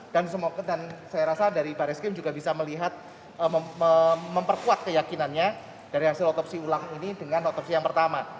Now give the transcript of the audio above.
semoga dan saya rasa dari baris krim juga bisa melihat memperkuat keyakinannya dari hasil otopsi ulang ini dengan otopsi yang pertama